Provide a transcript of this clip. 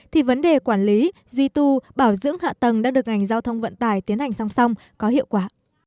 thì vấn đề quản lý duy tu bảo dưỡng hạ tầng đã được ngành giao thông vận tải tiến hành song song có hiệu quả